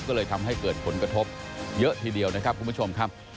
ก็เลยทำให้เกิดผลกระทบเยอะทีเดียวนะครับคุณผู้ชมครับ